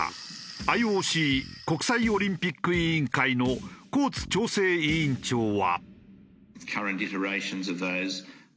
ＩＯＣ国際オリンピック委員会のコーツ調整委員長は。